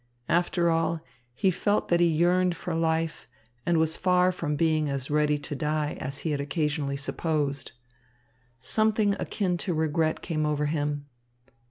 After all, he felt that he yearned for life and was far from being as ready to die as he had occasionally supposed. Something akin to regret came over him.